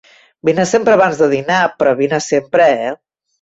Vine sempre abans de dinar; però vine-hi sempre, eh!